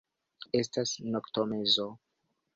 Estas noktomezo.